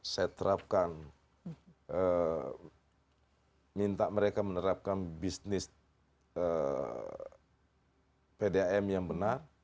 saya terapkan minta mereka menerapkan bisnis pdam yang benar